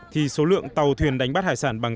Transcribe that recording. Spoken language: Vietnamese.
thì số lượng tàu thuyền đánh bắt hải sản bằng